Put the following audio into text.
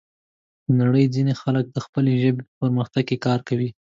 د نړۍ ځینې خلک د خپلې ژبې په پرمختګ کې کار کوي.